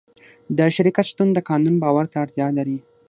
د شرکت شتون د قانون باور ته اړتیا لري.